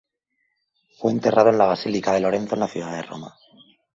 Fue enterrado en la Basílica de Lorenzo en la ciudad de Roma.